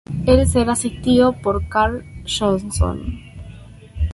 Él será asistido por Carl Johnson.